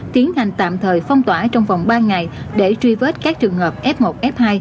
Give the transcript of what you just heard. tiến hành tạm thời phong tỏa trong vòng ba ngày để truy vết các trường hợp f một f hai